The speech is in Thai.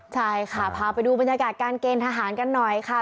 ใช่ค่ะพาไปดูบรรยากาศการเกณฑ์ทหารกันหน่อยค่ะ